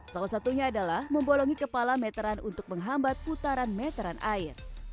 salah satunya adalah membolongi kepala meteran untuk menghambat putaran meteran air